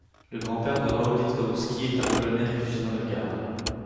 Le grand-père de Raoul Didkowski est un Polonais réfugié dans le Gard.